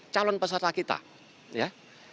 calon peserta kita ya